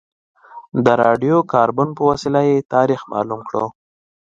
د راډیو کاربن په وسیله یې تاریخ معلوم کړو.